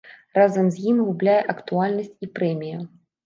Разам з ім губляе актуальнасць і прэмія.